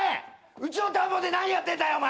うちの田んぼで何やってんだよお前。